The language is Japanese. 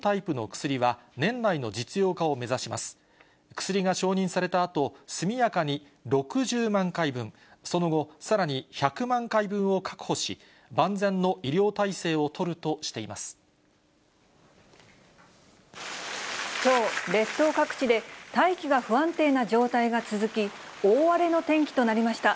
薬が承認されたあと、速やかに６０万回分、その後、さらに１００万回分を確保し、万全の医療体制を取るとしていまきょう、列島各地で大気が不安定な状態が続き、大荒れの天気となりました。